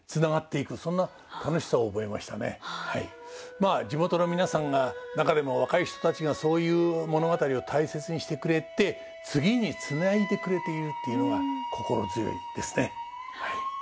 まあ地元の皆さんが中でも若い人たちがそういう物語を大切にしてくれて次につないでくれているっていうのが心強いですねはい。